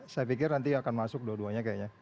saya pikir nanti akan masuk dua duanya kayaknya